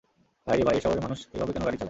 ভাইরে ভাই, এ শহরের মানুষ এভাবে কেন গাড়ি চালায়?